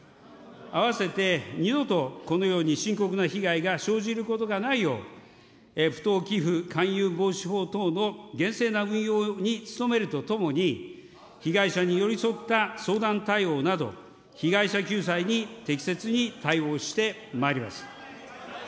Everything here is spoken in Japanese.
あわせて二度とこのように深刻な被害が生じることがないよう、不当寄付勧誘防止法等の厳正な運用に努めるとともに、被害者に寄り添った相談対応など、被害者救済に適切に対応してまいります。